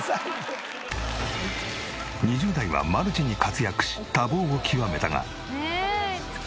２０代はマルチに活躍し多忙を極めたが。